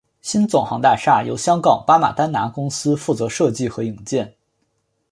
新总行大厦由香港巴马丹拿公司负责设计和营建。